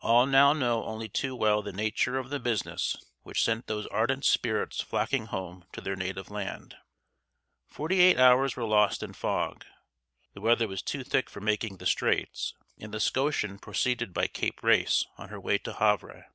All now know only too well the nature of the business which sent those ardent spirits flocking home to their native land. Forty eight hours were lost in fog. The weather was too thick for making the Straits, and the 'Scotian' proceeded by Cape Race on her way to Havre.